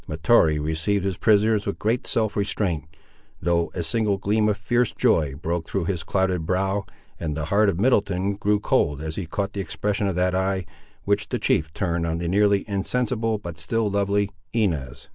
Mahtoree received his prisoners with great self restraint, though a single gleam of fierce joy broke through his clouded brow, and the heart of Middleton grew cold as he caught the expression of that eye, which the chief turned on the nearly insensible but still lovely Inez.